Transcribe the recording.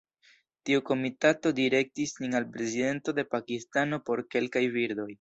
Tiu komitato direktis sin al Prezidento de Pakistano por kelkaj birdoj.